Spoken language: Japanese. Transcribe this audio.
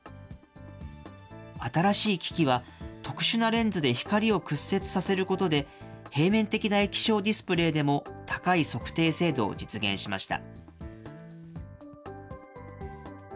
新しい機器は、特殊なレンズで光を屈折させることで、平面的な液晶ディスプレーでも高い測定精度を実現しました。